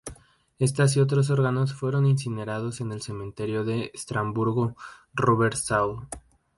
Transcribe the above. Estas y otros órganos fueron incinerados en el cementerio de Estrasburgo-Robertsau".